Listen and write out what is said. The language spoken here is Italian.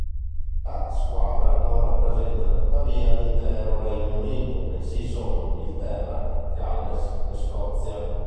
La squadra non rappresenta tuttavia l'intero Regno Unito bensì solo Inghilterra, Galles e Scozia.